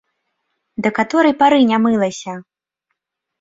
Да каторай пары не мылася!